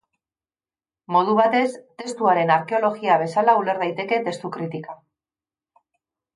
Modu batez, testuaren arkeologia bezala uler daiteke testu kritika.